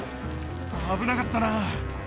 危なかったな。